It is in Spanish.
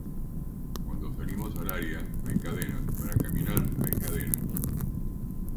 Cuando salimos al área, hay cadenas, para caminar, hay cadenas.